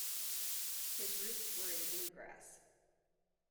His roots were in bluegrass.